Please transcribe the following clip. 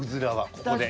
ここで。